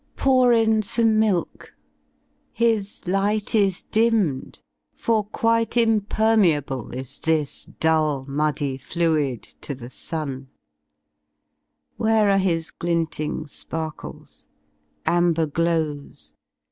Pour m some milk! His light is dimmedyfor quite impermeable Is this dull muddy fluid to the sun: Where are his glinting sparkles y amber glows.